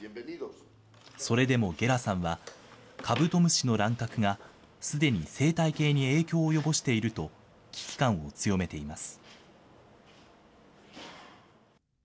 それでもゲラさんは、カブトムシの乱獲がすでに生態系に影響を及ぼしていると、危機感を強めています。